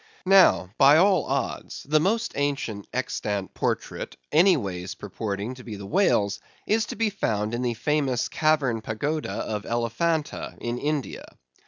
Now, by all odds, the most ancient extant portrait anyways purporting to be the whale's, is to be found in the famous cavern pagoda of Elephanta, in India.